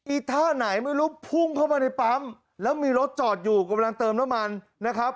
ท่าไหนไม่รู้พุ่งเข้ามาในปั๊มแล้วมีรถจอดอยู่กำลังเติมน้ำมันนะครับ